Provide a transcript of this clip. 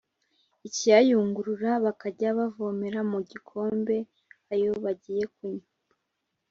ikayayungurura bakajya bavomera mu gikombe ayo bagiye kunywa.